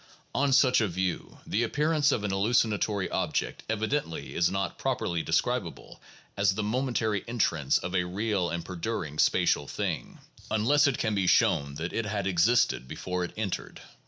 On such a view, the appearance of an halluci natory object "evidently is not properly describable as the momentary entrance of a real and perduring spatial thing," 1 unless it can be shown that it had existed before it entered.